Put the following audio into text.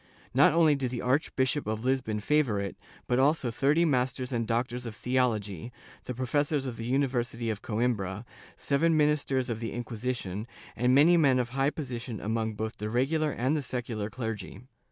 Not only did the Archbishop of Lisbon favor it, but also thirty masters and doctors of theology, the professors of the University of Coimbra, seven ministers of the Inquisition, and many men of high position among both the regular and the secular clergy.